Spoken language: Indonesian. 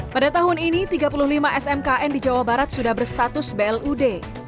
pada tahun ini tiga puluh lima smkn di jawa barat sudah berstatus blud